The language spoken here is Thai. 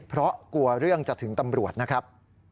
เพราะกลัวเรื่องจะถึงตำรวจนะครับ